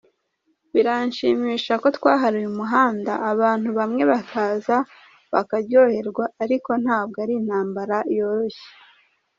Biranshimisha ko twaharuye umuhanda, abantu bamwe bakaza bakaryoherwa ariko ntabwo ari intambara yoroshye.